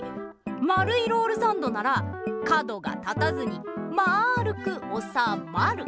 まるいロールサンドなら角が立たずにまるくおさまる。